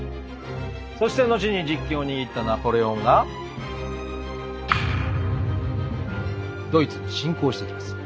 そして後に実権を握ったナポレオンがドイツに侵攻してきます。